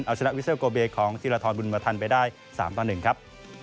เอาชนะวิเซลโกเบของธีรทรบุญมาทันไปได้๓ต่อ๑ครับ